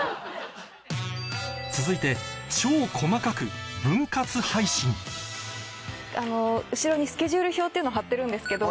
続いて後ろにスケジュール表っていうのを張ってるんですけど。